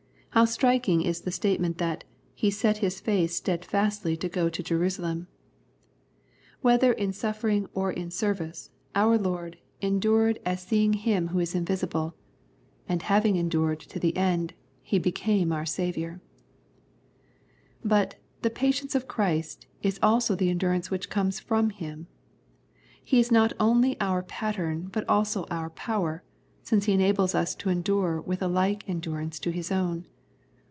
How striking is the statement that " He set His face steadfastly to go to Jerusalem "! Whether in suffering or in service, our Lord " endured as seeing 45 The Prayers of St. Paul Him who is invisible "; and having endured to the end, He became our Saviour. But " the patience of Christ " is also the endurance which comes from Him. He is not only our pattern, but also our power, since He enables us to endure with a like endurance to His own.